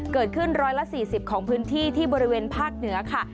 เกิดขึ้น๑๔๐ของพื้นที่ที่บริเวณภาคเหนือค่ะ